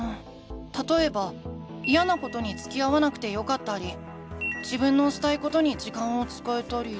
たとえばイヤなことにつきあわなくてよかったり自分のしたいことに時間を使えたり。